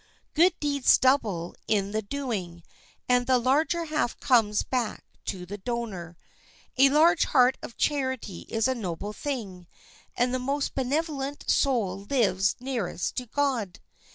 Good deeds double in the doing, and the larger half comes back to the donor. A large heart of charity is a noble thing, and the most benevolent soul lives nearest to God.